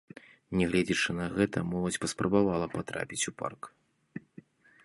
Нягледзячы на гэта моладзь паспрабавала патрапіць у парк.